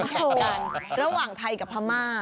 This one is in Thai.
แข่งกันระหว่างไทยกับพม่า